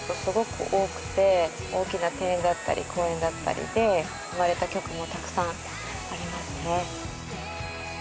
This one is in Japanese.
大きな庭園だったり公園だったりで生まれた曲もたくさんありますね。